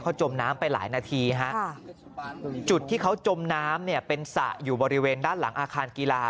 เขาจมน้ำไปหลายนาทีฮะจุดที่เขาจมน้ำเนี่ยเป็นสระอยู่บริเวณด้านหลังอาคารกีฬา